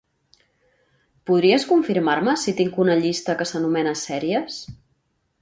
Podries confirmar-me si tinc una llista que s'anomena "sèries"?